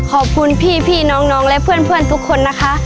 ขอบคุณพี่น้องและเพื่อนทุกคนนะคะ